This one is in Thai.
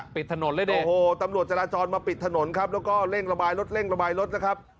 ปิดถนนเลยเนี่ยโอ้โหตำรวจจราจรมาปิดถนนครับแล้วก็เร่งระบายรถเร่งระบายรถนะครับ